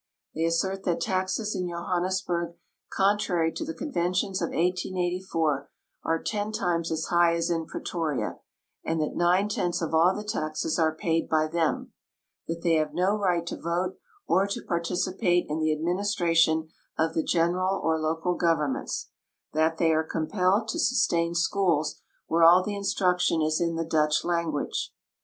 They assert that taxes in Johannesburg, contrary to the convention of 1884, are ten times as high as in Pretoria, and that nine tenths of all the taxes are paid by them ; that they have no right to vote or to participate in the administra tion of the general or local governments ; that they are com pelled to sustain schools where all the instruction is in the Dutch language.